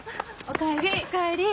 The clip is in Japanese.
お帰り。